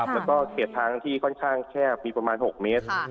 แล้วก็เขตทางที่ค่อนข้างแคบมีประมาณ๖เมตร